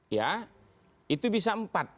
ya itu bisa empat